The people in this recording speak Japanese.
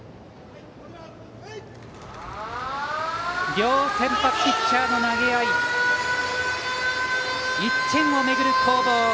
両先発ピッチャーの投げ合い１点をめぐる攻防。